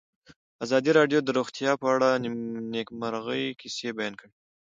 ازادي راډیو د روغتیا په اړه د نېکمرغۍ کیسې بیان کړې.